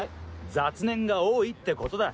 雑念が多いってことだ。